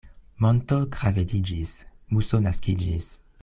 Monto gravediĝis, muso naskiĝis.